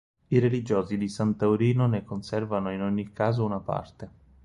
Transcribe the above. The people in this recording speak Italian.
I religiosi di San Taurino ne conservano in ogni caso una parte.